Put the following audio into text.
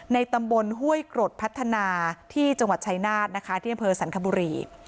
ในตำบลห้วยกรดพัฒนาที่จังหวัดชัยนาฏที่น้ำเพลินสันคบุรี